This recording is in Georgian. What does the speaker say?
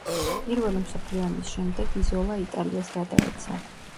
პირველი მსოფლიო ომის შემდეგ იზოლა იტალიას გადაეცა.